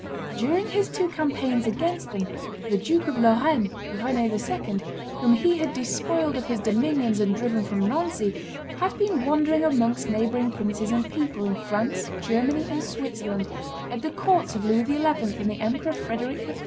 During his two campaigns against them, the Duke of Lorraine, Rend II., whom he had despoiled of his dominions and driven from Nancy, had been wandering amongst neighboring princes and people in France, Germany, and Switzerland, at the courts of Louis XI. and the Emperor Frederic III.